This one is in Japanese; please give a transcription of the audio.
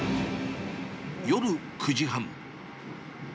夜９時半。